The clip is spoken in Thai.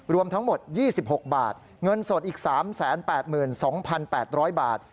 รวมทั้งหมด๒๖บาทเงินสดอีก๓๘๒๘๐๐บาท